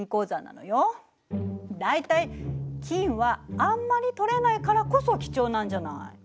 大体金はあんまり採れないからこそ貴重なんじゃない。